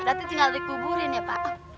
berarti tinggal dikuburin ya pak